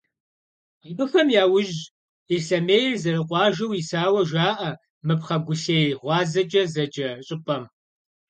Абыхэм яужь Ислъэмейр зэрыкъуажэу исауэ жаӏэ мы «Пхъэгулъей гъуазэкӏэ» зэджэ щӏыпӏэм.